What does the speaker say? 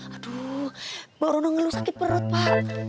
aduh mbak orono ngeluh sakit perut pak